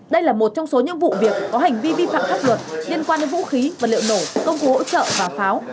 đây là một trong số những vụ việc có hành vi vi phạm pháp luật liên quan đến vũ khí vật liệu nổ công cụ hỗ trợ và pháo